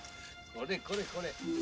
これこれこれ。